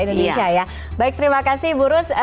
indonesia ya baik terima kasih bu rus